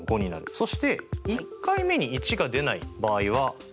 そして１回目に１が出ない場合は×。